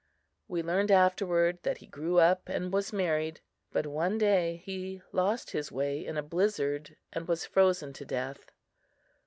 We learned afterward that he grew up and was married; but one day he lost his way in a blizzard and was frozen to death.